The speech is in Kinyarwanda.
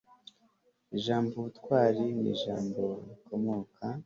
ijambo ubutwari ni ijambo rikomoka